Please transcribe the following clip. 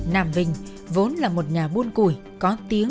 nam vinh vốn là một nhà buôn củi có tiếng ở đất hải phòng